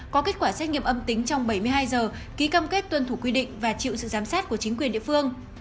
có kết quả xét nghiệm âm tính trong bảy mươi hai giờ ký cam kết tuân thủ quy định và chịu sự giám sát của chính quyền địa phương